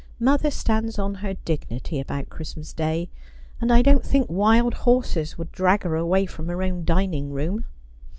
Mother stands on her dignity about Christmas Day ; and I don't think wild horses would drag her away from her own dining room.